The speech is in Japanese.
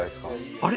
あれ？